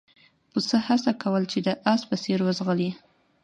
پسه هڅه کوله چې د اس په څېر وځغلي.